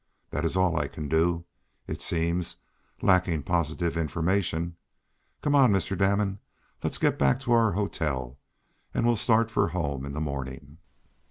That is all I can do, it seems, lacking positive information. Come on, Mr. Damon. Let's get back to our hotel, and we'll start for home in the morning."